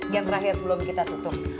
yang terakhir sebelum kita tutup